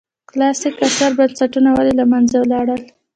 کلاسیک عصر بنسټونه ولې له منځه لاړل.